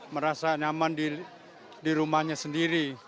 merasa nyaman di rumahnya sendiri